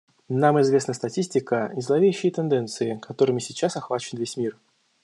Нам известны статистика и зловещие тенденции, которыми сейчас охвачен весь мир.